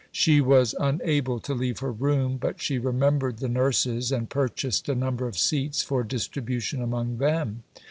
She was unable to leave her room, but she remembered the nurses and purchased a number of seats for distribution among them.